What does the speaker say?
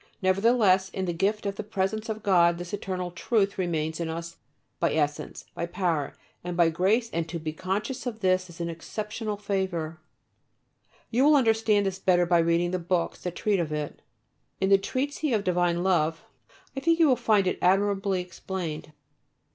Nevertheless in the gift of the presence of God this eternal Truth remains in us by essence, by power, and by grace, and to be conscious of this is an exceptional favour. You will understand this better by reading the books that treat of it. In the "Treatise of Divine Love" I think you will find it admirably explained.